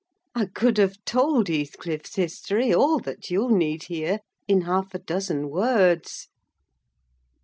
I could have told Heathcliff's history, all that you need hear, in half a dozen words.